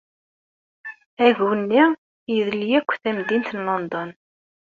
Agu-nni idel akk tamdint n London.